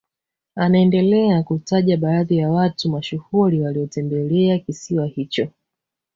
Anaendelea kutaja baadhi ya watu mashuhuri waliotembelea kisiwa hicho